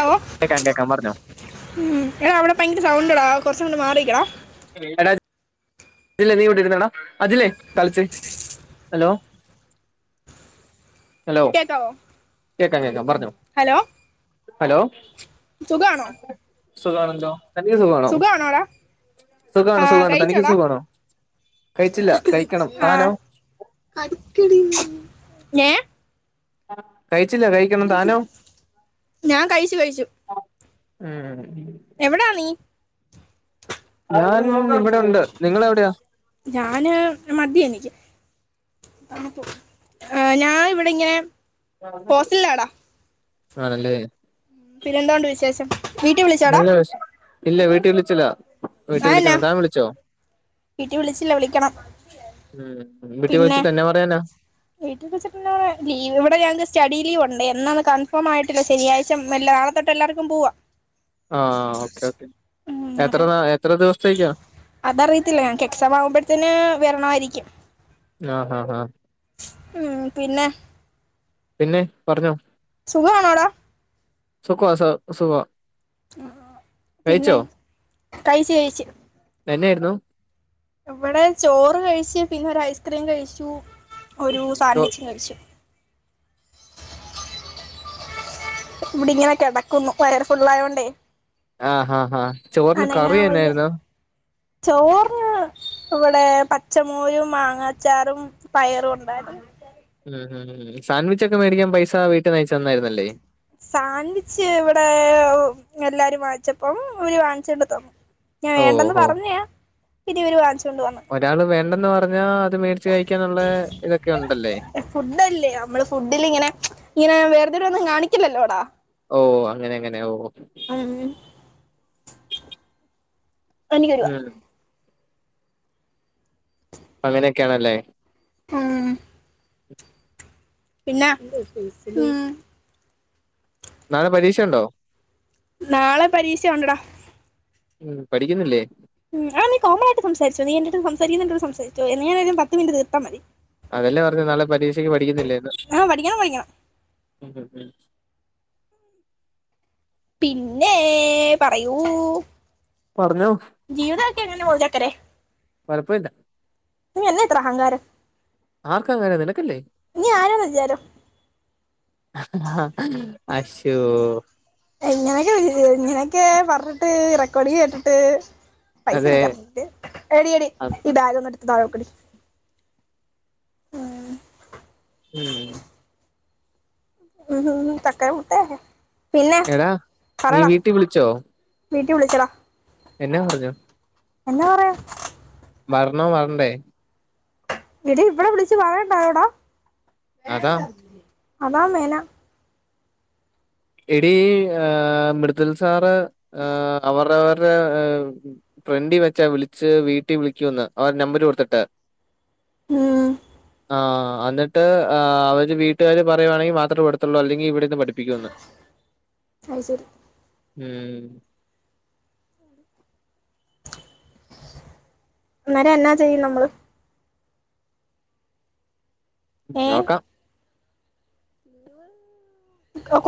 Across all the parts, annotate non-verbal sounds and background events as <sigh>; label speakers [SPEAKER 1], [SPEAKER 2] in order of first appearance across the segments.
[SPEAKER 1] അവോ
[SPEAKER 2] കേക്കാം കേക്കാം പറഞ്ഞോ
[SPEAKER 1] ഉം ടെ അവിടെ ഭയങ്കര സൗൺ പ്ലേ കുറച്ചങ് മാറി നിക്കണേ
[SPEAKER 2] <unintelligible> <unintelligible> അതിലേ ഹാലോ
[SPEAKER 1] കേക്കാവോ
[SPEAKER 2] കേക്കാം കേക്കാം പറഞ്ഞോ
[SPEAKER 1] ഹലോ
[SPEAKER 2] ഹലോ
[SPEAKER 1] സുഖാണോ
[SPEAKER 2] സുഗാണല്ലോ <unintelligible>
[SPEAKER 1] സുഖാണോടാ
[SPEAKER 2] സുഗാണ്
[SPEAKER 1] ആ
[SPEAKER 2] സുഗാണ് തനിക്ക്
[SPEAKER 1] കഴിച്ചോടാ
[SPEAKER 2] സുഗവാണോ കയിച്ചില്ല കയിക്കണം
[SPEAKER 1] ആ
[SPEAKER 2] താനോ
[SPEAKER 1] മേ
[SPEAKER 2] <unintelligible> കയിച്ചില്ല കയിക്കണം താനോ
[SPEAKER 1] ഞാൻ കഴിച്ചു കഴിച്ചു
[SPEAKER 2] ഉമ്
[SPEAKER 1] എവിടാ നീ
[SPEAKER 2] <unintelligible> നിങ്ങളെവിടെയാ
[SPEAKER 1] ഞാന് മദ്യം എനിക്ക് തണുപ്പ് ഞാൻ എവിടിങ്ങനെ ഹോസ്റ്റലിലാടാ
[SPEAKER 2] ആണല്ലേ
[SPEAKER 1] പിന്നെന്തോ ഉണ്ട് വിശേഷം വീട്ടി വിളിച്ചോടാ
[SPEAKER 2] നല്ല വിശ ഇല്ല വീട്ടി വിളിച്ചില്ല വീട്ടിൽ
[SPEAKER 1] ആയെന്ന
[SPEAKER 2] വിളിക്കണം താൻ വിളിച്ചോ
[SPEAKER 1] വീട്ടി വിളിച്ചില്ല വിളിക്കണം
[SPEAKER 2] ഉം വീട്ടിൽ
[SPEAKER 1] പിന്നെ
[SPEAKER 2] വിളിച്ചിട്ട് എന്നാ പറയാനാ
[SPEAKER 1] <unintelligible> ഇവിടെ ഞങ്ങക്ക് സ്റ്റഡി ലീവോ ണ്ട് എന്നാന്ന് കൺഫോമായിട്ടില്ല ശനിയാഴ്ച മെല്ലെ നാളെ തൊട്ട് എല്ലാവർക്കും പോകാം
[SPEAKER 2] ആ ഓക്കേ ക്കേ എത്ര
[SPEAKER 1] അതെ
[SPEAKER 2] നാ എത്ര ദിവസത്തേക്കാ
[SPEAKER 1] അതറിയത്തില്ല ഞങ്ങക്ക് എക്സാമാവുമ്പഴത്തേന് വരണം ആരിക്കും
[SPEAKER 2] ആ ആ ആ
[SPEAKER 1] മ് പിന്നെ
[SPEAKER 2] പിന്നെ പറഞ്ഞോ
[SPEAKER 1] സുഖാണോടാ
[SPEAKER 2] <unintelligible>
[SPEAKER 1] പിന്നെ
[SPEAKER 2] കഴിച്ചോ
[SPEAKER 1] കഴിച്ച് കഴിച്ച്
[SPEAKER 2] നെന്നായിരുന്നു
[SPEAKER 1] വിടെ ചോറ് കയ്ച്ച് പിന്നെ ഒരായിസ്ക്രീം കഴിച്ചു ഒരു
[SPEAKER 2] ചോ
[SPEAKER 1] സാൻവിച്ചും കഴിച്ചു ഇവിടെ ഇങ്ങനെ കെടക്കുന്നു വയറ് ഫുള്ളായകൊണ്ടേ
[SPEAKER 2] ആ ഹാ ഹാ ചോറിനു
[SPEAKER 1] വയ്യ
[SPEAKER 2] കറിയെന്നായിരുന്നു?
[SPEAKER 1] ചോറിന് ഇവിടെ പച്ചമോരും മാങ്ങാച്ചാറും പയറുണ്ടാരുന്നു.
[SPEAKER 2] സാൻവിച്ചൊക്കെ മേടിക്കാൻ പൈസ വീട്ടീന്നയച്ചുതന്നരുന്നല്ലേ.
[SPEAKER 1] സാൻവിച്ച് ഇവിടെ എല്ലാരും വാച്ചപ്പം ഓല് വാങ്ങിച്ചോണ്ട് തന്നു ഞാ
[SPEAKER 2] ഓഹ്
[SPEAKER 1] വേണ്ടെന്നു
[SPEAKER 2] ഹോ
[SPEAKER 1] പറഞ്ഞയ ഇതിവരെ വാങ്ച്ച്
[SPEAKER 2] ഒരാള് വേണ്ടെ ന്നു പറഞ്ഞാ അത് മേടിച്ച് കഴിക്കാനുള്ള ഇതൊക്കെ ഉണ്ടല്ലേ
[SPEAKER 1] ഫുഡല്ലേ മ്മള് ഫുഡിലിങ്ങനെ ഇങ്ങനെ വെർ തിരിവൊന്നും കാണിക്കില്ലലോഡാ
[SPEAKER 2] ഓ അങ്ങനെ ങ്ങനെ ഓ
[SPEAKER 1] മ് എനിക്കൊരുവ
[SPEAKER 2] ഉം അങ്ങനെയൊക്കെയാണല്ലേ
[SPEAKER 1] മ് പിന്ന മ്
[SPEAKER 2] നാളെ പരീഷയുണ്ടോ
[SPEAKER 1] നാളെ പരീഷയുണ്ടെടാ
[SPEAKER 2] മ് പഠിക്കുന്നില്ലേ
[SPEAKER 1] മ് അത് നീ കോമണായിട്ട് സംസാരിച്ചോ നീ എന്റെയടുത്തു സംസാരിക്കുന്നൊണ്ടെ സംസാരിച്ചോ നീയാണേലും പത്തു മിനിറ്റ് തീർത്താ മതി.
[SPEAKER 2] അതല്ലെ പറഞ്ഞെ നാളെ പരീഷക്ക് പ പഠിക്കുന്നില്ലേ ന്ന്
[SPEAKER 1] ആ പഠിക്കണം പഠിക്കണം
[SPEAKER 2] ഉം
[SPEAKER 1] പിന്നേ പറയൂ
[SPEAKER 2] പറഞ്ഞോ
[SPEAKER 1] <inaudible> ചക്കരെ.....
[SPEAKER 2] കൊഴപ്പില്ല
[SPEAKER 1] നീ എന്ന ഇത്ര അഹങ്കാരം
[SPEAKER 2] എനിക്കെങ്ങനെ നിനക്കല്ലേ
[SPEAKER 1] നീ ആരാ നാ വിചാരം
[SPEAKER 2] <inaudible> അശ്ശോ
[SPEAKER 1] <inaudible> നിനക്ക് പറഞ്ഞിട്ട് റെക്കോഡ് കേട്ടിട്ട് പൈസ
[SPEAKER 2] അതെ
[SPEAKER 1] തരാം എടീ എടീ
[SPEAKER 2] അത്
[SPEAKER 1] ഈ ബാഗ് ഒന്നിട- താഴെ വെക്കടി ഉം
[SPEAKER 2] ഉം
[SPEAKER 1] <inaudible> ചക്കരമുത്തേ
[SPEAKER 2] എടാ നീ വീട്ടി വിളിച്ചോ
[SPEAKER 1] വീട്ടി വിളിച്ചെടാ
[SPEAKER 2] എന്നാ പറഞ്ഞു
[SPEAKER 1] എന്നാ പറയാൻ
[SPEAKER 2] വരണോ വരണ്ടേ
[SPEAKER 1] വീട്ടിൽ ഇപ്പളേ വിളിച്ച് പറയണ്ടായോടാ വേഗം
[SPEAKER 2] അതാ
[SPEAKER 1] പറയ് അതാമെന
[SPEAKER 2] എടീ മൃദുൽ സാറ് അവരവരുടെ ഫ്രണ്ടി വെച്ചാ വിളിച്ച് വീട്ടി വിളിക്കുന്ന് അവര് നമ്പർ കൊടുത്തിട്ട്
[SPEAKER 1] ഉം
[SPEAKER 2] അ എന്നിട്ട് അവര് വീട്ടാര് പറയാണെങ്കിൽ മാത്രമേ വിടത്തൊള്ളു അല്ലെങ്കിൽ ഇവിടിരുന്ന് പഠിപ്പിക്കുമെന്ന്
[SPEAKER 1] അത് ശരി
[SPEAKER 2] ഉം
[SPEAKER 1] അന്നേരം എന്നാ ചെയ്യും നമ്മള് ഏ
[SPEAKER 2] നോക്കാം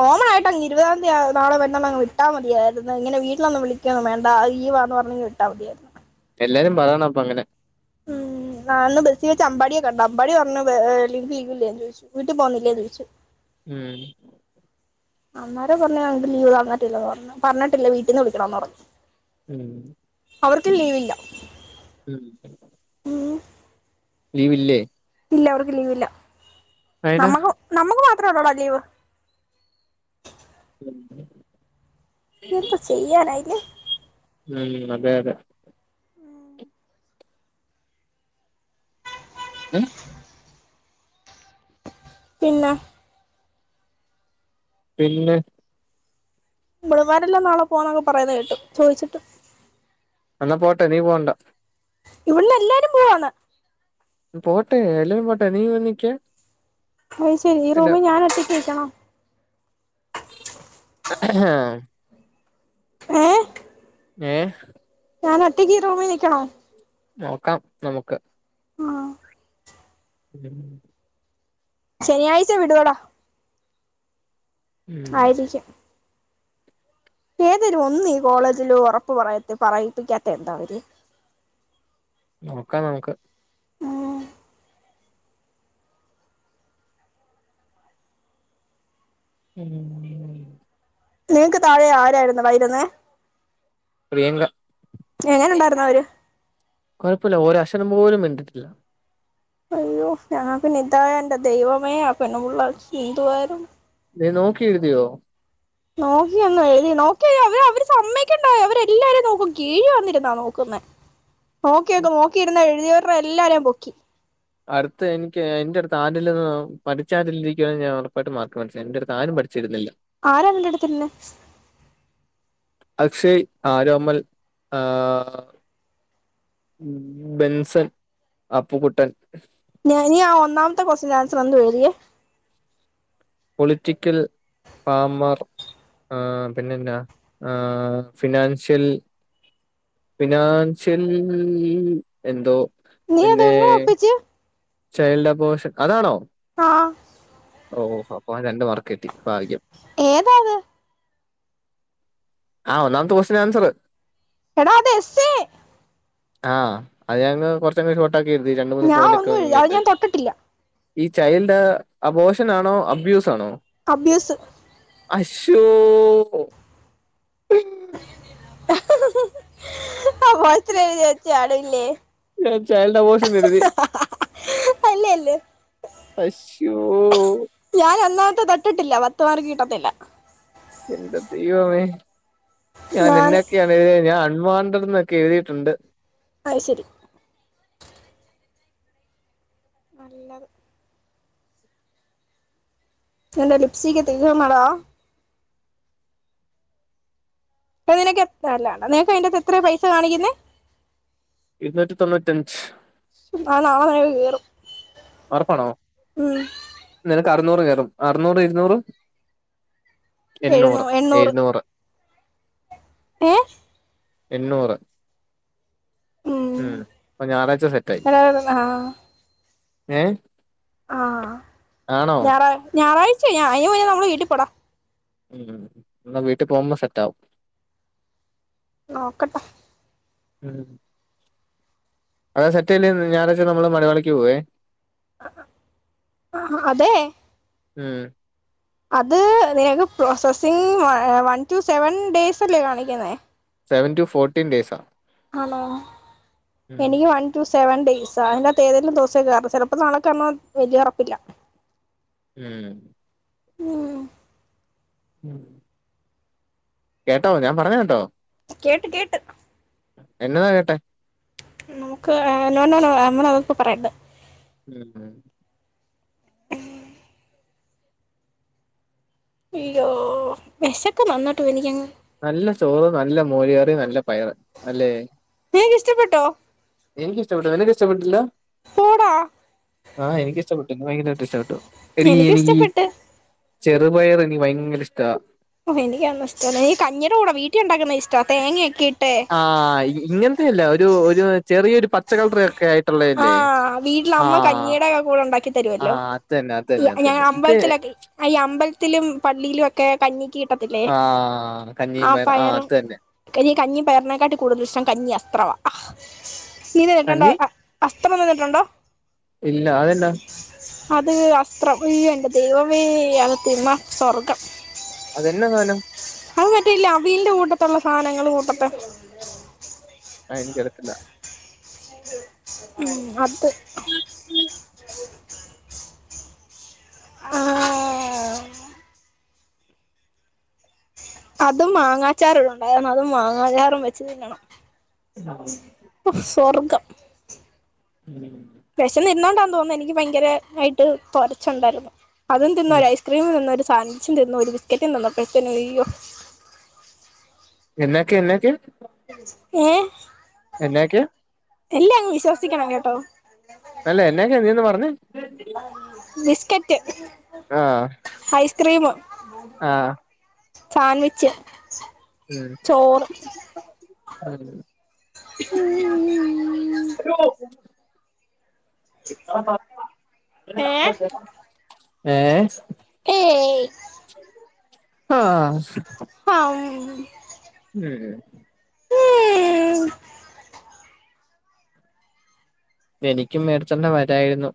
[SPEAKER 1] ഓണായിട്ടങ്ങ് ഇരുപതാം തിയ്യതി അങ്ങ് വിട്ടാൽ മതിയായിരുന്നു വീട്ടിലൊന്നും വിളിക്കൊന്നും വേണ്ട ലീവാന്ന് പറഞ്ഞങ്ങ് വിട്ടാൽ മതിയായിരുന്നു
[SPEAKER 2] എല്ലാരും പറയണം അപ്പോ അങ്ങനെ
[SPEAKER 1] ഉം ഞാനിന്ന് ബസ്സിൽ വെച്ച് അമ്പാടിയെ കണ്ടു അമ്പാടി പറഞ്ഞു നിന്നക്ക് ലീവില്ലേ വീട്ടിൽ പോണില്ലേ എന്നു ചോദിച്ചു
[SPEAKER 2] ഉം
[SPEAKER 1] അമ്പാടി പറഞ്ഞു അവന് ലീവ് തന്നിട്ടില്ല എന്ന് പറഞ്ഞു പറഞ്ഞിട്ടില്ല വീട്ടിൽ നിന്ന് വിളിക്കണം എന്ന്
[SPEAKER 2] ഉം
[SPEAKER 1] അവർക്ക് ലീവ് ഇല്ല
[SPEAKER 2] <inaudible>
[SPEAKER 1] ഉം
[SPEAKER 2] ലീവില്ലേ
[SPEAKER 1] ഇല്ല അവർക്ക് ലീവ് ഇല്ല
[SPEAKER 2] അയെന്നാ?
[SPEAKER 1] നമക്കു നമുക്ക് വാ ഇത്രേള്ളോടാ ലീവ്
[SPEAKER 2] ഉം,
[SPEAKER 1] എന്തു ചെയ്യാനായി ന്
[SPEAKER 2] ഇം അതെയതെ ഉം,
[SPEAKER 1] പിന്നാ
[SPEAKER 2] പിന്നെ
[SPEAKER 1] ബൾമാരെല്ലാം നാളെ പോണംന്ന് പറയുന്ന കേട്ടു ചോയ്ച്ച്ട്ട്
[SPEAKER 2] ന്നാ പോട്ടെ നീ പോണ്ട
[SPEAKER 1] ഇവ്ള്ളെ എല്ലാരും പോവാന്ന്
[SPEAKER 2] പോട്ടെ എല്ലാരും പോട്ടെ നീയിവെ നിക്ക്
[SPEAKER 1] അയ് ശെരി ഈ
[SPEAKER 2] പിന്നെ
[SPEAKER 1] റൂമി ഞാനൊറ്റക്കിരിക്കണം
[SPEAKER 2] <inaudible>
[SPEAKER 1] ഏ
[SPEAKER 2] ഏ
[SPEAKER 1] ഞാനോറ്റക്കീറൂമി നിക്കണോ
[SPEAKER 2] നോക്കാം നമുക്ക്
[SPEAKER 1] ആ
[SPEAKER 2] ഉം.
[SPEAKER 1] ശെനിയാഴ്ച വിടുവെടാ
[SPEAKER 2] ഉം.
[SPEAKER 1] ആയിരിക്കും ഏതേലും ഒന്ന് ഈ കോളേജില് ഒറപ്പ് പറയിത് പറയിപ്പിക്കാത്തയെന്താ അവര്
[SPEAKER 2] നോക്കാം നമുക്ക്
[SPEAKER 1] ഉം
[SPEAKER 2] <inaudible>
[SPEAKER 1] നിങ്ക്ക് താഴെ ആരാരുന്നെടാ ഇരുന്നെ
[SPEAKER 2] പ്രിയങ്ക
[SPEAKER 1] എങ്ങനുണ്ടാരുന്നവര്
[SPEAKER 2] കൊഴപ്പല്ല ഒരഷരം പോലും മിണ്ടീട്ടില്ല
[SPEAKER 1] അയ്യോ ഞാനപ്പനിതായാ എൻ്റെ ദൈവമേ ആ പെണ്ണുമ്പിള്ള എന്തുവാരുന്ന്
[SPEAKER 2] നീ നോക്കി എഴുതിയോ
[SPEAKER 1] നോക്കിയൊന്നും എഴുതി നോക്കി എഴുതാൻ അവര് അവര് സമ്മേകണ്ടായോ അവര് എല്ലാരേം നോക്കും കീഴി വന്നിരുന്നാ നോക്കുന്നേ നോക്കി നോക്കിയിരുന്ന് എഴുതിയവർടെ എല്ലാരേം പൊക്കി
[SPEAKER 2] അടുത്ത് എനിക്ക് എൻ്റെടുത്ത് ആരേലും ഒന്ന് പഠിച്ച ആരേലിരിക്കാരുന്നേ ഞാൻ ഒറപ്പായിട്ടും മാർക്ക് വാങ്ങ്ച്ചേനെ എൻ്റെടുത്ത് ആരും പഠിച്ചിരുന്നില്ല
[SPEAKER 1] ആരാ നിൻ്റെടുത്തിരുന്നെ
[SPEAKER 2] അക്ഷയ് ആരോമൽ ആ- ഉം ബെൻസൻ അപ്പുക്കുട്ടൻ
[SPEAKER 1] നിയ് നീയാ ഒന്നാമത്തെ കൊസ്റ്റ്യൻ്റെ ആൻസർ എന്തുവാ എഎഴുതിയെ
[SPEAKER 2] പൊളിറ്റിക്കൽ ഫാമർ ആ പിന്നെന്നാ ആ ഫിനാൻഷ്യൽ- ഫിനാൻഷ്യൽൽൽൽൽ എന്തോ
[SPEAKER 1] നീ അതെങ്ങനെ ഒപ്പിച്ച്
[SPEAKER 2] ചൈൽഡപ്പോഷൻ അതാണോ
[SPEAKER 1] ആഹ്
[SPEAKER 2] ഓരോ അപ്പൊആൻ <unintelligible> എന്റെ വർക്ക്‌ എത്തി ഭാഗ്യം
[SPEAKER 1] ഏതാ അത്
[SPEAKER 2] ആഹ് ഒന്നാമത്തെ കോസ്റ്റയൻറ് ആൻസറ്
[SPEAKER 1] എടാ അത് എസ്എ
[SPEAKER 2] ആഹ് അത് ഞങ്ങക്ക് കൊറച്ചൊ <unintelligible> ക്കെ അതൊക്കെയുണ്ട് രണ്ട് മൂന്ന്
[SPEAKER 1] ഞാൻ
[SPEAKER 2] പോയിന്റൊക്കെ
[SPEAKER 1] ഒന്നും എഴുതി
[SPEAKER 2] നമ്മൾ
[SPEAKER 1] അത് ഞാൻ
[SPEAKER 2] അറ്റാച്ച്
[SPEAKER 1] തൊട്ടിട്ടില്ല
[SPEAKER 2] ഈ ചൈൽഡ് അബോഷനാണോ അബ്യൂസ് ആണോ
[SPEAKER 1] അബ്യൂസ്
[SPEAKER 2] അശ്ശോ ഹോ
[SPEAKER 1] ആഹ് മറ്റത് എഴുതി വെച്ച ആളില്ലേ
[SPEAKER 2] <unintelligible> ചൈൽഡ് അബോഷൻന്ന് എഴുതി
[SPEAKER 1] അല്ലേ അല്ലേ
[SPEAKER 2] അശ് യ്യോ
[SPEAKER 1] മത്തെ തൊട്ടിട്ടില്ല പത്ത് മാർക്ക്‌ കിട്ടത്തില്ല
[SPEAKER 2] എന്റെ ദൈവമേ ഞാൻ എന്നൊക്കെയാണ് എഴുതിയത് ഞാൻ ട്രിവാൻഡ്രന്നൊക്കെ എഴുതിയിട്ടുണ്ട്
[SPEAKER 1] അയ്ശെരി നല്ലത് ചില ലിപ്സ്റ്റിക് തീർന്നടാ ഏതിനെക്കെ തല നിനക്ക് അതിന്റെകത്ത് എത്രയാ പൈസ കാണിക്കുന്നേ
[SPEAKER 2] ഇരുന്നൂറ്റി തൊണ്ണൂറ്റി അഞ്ച്
[SPEAKER 1] പണം നാളെ നിനക്ക് കേറും
[SPEAKER 2] ഉറപ്പാണോ
[SPEAKER 1] ഉം
[SPEAKER 2] നിന ക്ക അറുന്നൂർ കേറും അറുന്നൂറും ഇരുന്നൂറും എണ്ണൂറ് എഴുന്നൂറ്
[SPEAKER 1] ഏ
[SPEAKER 2] എണ്ണൂറ് ഉം അപ്പൊ ഞായറാഴ്ച്ച സെറ്റായി
[SPEAKER 1] എടാ ആ
[SPEAKER 2] ഏ
[SPEAKER 1] ആഹ്
[SPEAKER 2] ആണോ
[SPEAKER 1] ഞായറാ ഞായറാഴ് ച്ച ആയോയി നമ്മള് വീട്ടി പോടാ
[SPEAKER 2] മ് എന്നാ വീട്ടി പോവുമ്പോ സെറ്റാവും
[SPEAKER 1] നോക്കട്ടെ
[SPEAKER 2] മ് അത് സെറ്റായില്ലെങ്കിൽ ഞായറാഴ്ച്ച നമ്മളെ മണിമലയ്ക്ക്‌ പോകുവേ
[SPEAKER 1] ആഹാ അതെ
[SPEAKER 2] ഉം
[SPEAKER 1] അത് നിനക്ക് processing one to seven days അല്ലെ കാണിക്കുന്നേ
[SPEAKER 2] സെവൻ ടു ഫോർട്ടീൻ ഡേയ്സ് ആ
[SPEAKER 1] ആണോ എനിക്ക് വൺ ടു സെവൻ ഡെയ്സ് സാറില്ലാത്ത ഏതേലും ദിവസം കേറും ചിലപ്പോ നാളെ കേറണം വല്യ ഉറപ്പില്ല
[SPEAKER 2] ഉം
[SPEAKER 1] ഉം
[SPEAKER 2] ഉം കേട്ടോ ഞാൻ പറഞ്ഞത് കേട്ടോ
[SPEAKER 1] കേട്ട് കേട്ട്
[SPEAKER 2] എന്നതാ കേട്ടെ
[SPEAKER 1] നോക്ക് ഏ നോ നോ നോ ഏ അങ്ങനെ അതിപ്പോ പറയരുത്
[SPEAKER 2] ഉം ഉം
[SPEAKER 1] അയ്യോ വിശക്കുന്നു നന്നായിട്ട് എനിക്കങ്ങു
[SPEAKER 2] നല്ല ചോറ് നല്ലമോര് കറി നല്ല പയർ അല്ലെ
[SPEAKER 1] നിനക്ക് ഇഷ്ടപ്പെട്ടോ
[SPEAKER 2] എനിക്ക് ഇഷ്ടപെട്ട് നിനക്ക് ഇഷ്ടപെട്ടില്ലേ
[SPEAKER 1] പോടാ
[SPEAKER 2] ആ എനിക്കിഷ്ടപ്പെട്ടു ഇക്ക് ഭയങ്കരമായിട്ട് ഇഷ്ടപ്പെട്ടു എടീ എനിക്ക് ഈ
[SPEAKER 1] എനിക്കിഷ്ടപ്പെട്ട്
[SPEAKER 2] ചെറുപയർ എനിക്ക് ഭയങ്കര ഇഷ്ടാ
[SPEAKER 1] ഓ എനിക്കതൊന്നും ഇഷ്ട്ടല്ല കഞ്ഞിയുടെ കൂടെ വീട്ടിൽ ഉണ്ടാക്കുന്ന ഇഷ്ടാ ഈ തേങ്ങ ഒക്കെ ഇട്ട്
[SPEAKER 2] ആ ഇങ്ങനത്തെ എല്ലാ ഒരു ഒരു ചെറിയൊരു പ
[SPEAKER 1] ആ വീട്ടിൽ അമ്മ
[SPEAKER 2] ആഹ്
[SPEAKER 1] കഞ്ഞിയുടൊക്കെ കൂടെ ഉണ്ടാക്കി തരുമല്ലോ
[SPEAKER 2] ആഹ് അത് തന്നെ അത് തന്നെ അത് തന്നെ
[SPEAKER 1] ഞങ്ങളുടെ
[SPEAKER 2] ഇത്
[SPEAKER 1] അമ്പലത്തിൽ ഒക്കെ ഈ അമ്പലത്തിൽ അമ്പലത്തിലും പള്ളിയിലും ഒക്കെ കഞ്ഞി കഞ്ഞി കിട്ടത്തില്ലേ
[SPEAKER 2] ആഹ്
[SPEAKER 1] ആ
[SPEAKER 2] കഞ്ഞിയും ആഹ്
[SPEAKER 1] പയറും
[SPEAKER 2] അത് തന്നെ
[SPEAKER 1] കഞ്ഞി പയറിനെക്കാളും കൂടുതലിഷ്ടം കഞ്ഞി യസ്ത്റവ
[SPEAKER 2] കഞ്ഞി
[SPEAKER 1] <unintelligible> <unintelligible>
[SPEAKER 2] ഇല്ല അതല്ല <unintelligible>
[SPEAKER 1] അത് അസ്ത്രം ഈ എന്റെ ദൈവമേ ഇയാൾക്ക് ന്ന സ്വർഗം
[SPEAKER 2] അതെന്നാ സാനം
[SPEAKER 1] അത് മറ്റേതിലെ അവിയലിന്റെ കൂട്ടത്തുള സാനം <unintelligible>
[SPEAKER 2] ആ എനിക്കറിയത്തില്ല
[SPEAKER 1] ഉം അത് <inaudible> ആ അതു മാങ്ങാ അച്ചാർ ഉണ്ടായാൽ മതി അതു മാങ്ങ അച്ചാറും വെച്ച് തിന്നണം
[SPEAKER 2] <inaudible>
[SPEAKER 1] ഉഫ് സ്വർഗം
[SPEAKER 2] ഉം
[SPEAKER 1] വിശന്നിരുന്നോണ്ട തോന്നുന്ന് എനിക്ക് ഭയങ്കരായിട്ട് <unintelligible> അതൊന്നും തിന്നോലോ ഐസ്ക്രീം തിന്നുലോ <unintelligible> <unintelligible> ഒരു ബിസ്കറ്റും തിന്നപ്പത്തേന് അയ്യോ
[SPEAKER 2] എന്നാക്കെ എന്നാക്കെ
[SPEAKER 1] ഏ <unintelligible>
[SPEAKER 2] എന്നാക്കെ
[SPEAKER 1] എല്ലാം അങ്ങ് വിശ്വസിക്കണം കേട്ടോ
[SPEAKER 2] അല്ല എന്നതാ ചെയ്തത് പറഞ്ഞു <unintelligible>
[SPEAKER 1] ബിസ്കറ്റ് റ്റ്
[SPEAKER 2] ആഹ്
[SPEAKER 1] <unintelligible> ഐസ് ക്രീമ്
[SPEAKER 2] ആഹ്
[SPEAKER 1] <inaudible> സാൻവിച്ച്
[SPEAKER 2] ഉം
[SPEAKER 1] ചോറ്
[SPEAKER 2] <inaudible>
[SPEAKER 1] <inaudible>
[SPEAKER 2] കിട്ടാൻ ണ്ടാരുന്ന ഇവിടെ
[SPEAKER 1] ഏ
[SPEAKER 2] എന്തോണ്ട് ഏ
[SPEAKER 1] ഏയ്
[SPEAKER 2] <inaudible> ഹാ
[SPEAKER 1] ഹം <unintelligible>
[SPEAKER 2] നെഹെ
[SPEAKER 1] ഉം
[SPEAKER 2] എനിക്കും മേടിച്ചോണ്ട് വരായിരുന്നു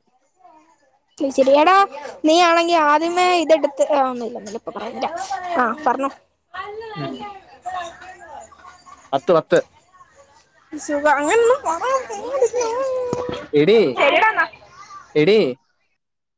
[SPEAKER 1] എടാ നീ ആണങ്കി ആദ്യമേ ഇതെടുത്ത് ആ ഒന്നുഇല്ല ഒന്നുഇല്ല ഇപ്പപറയാൻ വരുവാ ആ പറഞ്ഞോ <inaudible> അല്ല നല്ല
[SPEAKER 2] ഉം
[SPEAKER 1] ഇതാണ്
[SPEAKER 2] പത്ത് പത്ത്
[SPEAKER 1] ഈശോപ്പെ അങ്ങനെ ഒന്നും പറയാൻ തോന്നുണില്ല
[SPEAKER 2] എടി എടി